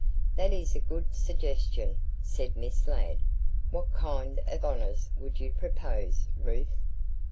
"That is a good suggestion," said Miss Ladd. "What kind of honors would you propose, Ruth?"